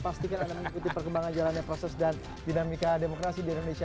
pastikan anda mengikuti perkembangan jalannya proses dan dinamika demokrasi di indonesia